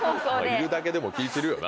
いるだけでも気ぃ散るよな。